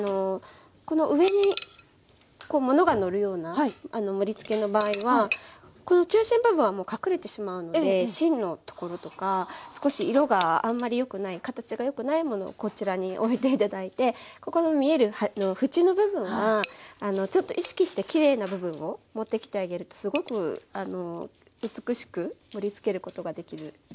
この上にものがのるような盛りつけの場合はこの中心部分はもう隠れてしまうので芯の所とか少し色があんまりよくない形がよくないものをこちらにおいて頂いてここの見えるふちの部分はちょっと意識してきれいな部分を持ってきてあげるとすごく美しく盛りつけることができます。